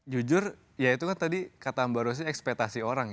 jujur ya itu kan tadi kata mbak rosy ekspetasi orang